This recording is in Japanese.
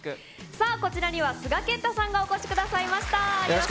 さあ、こちらには、須賀健太さんがお越しくださいました。